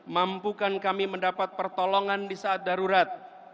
mampukan kami mendapat pertolongan di saat darurat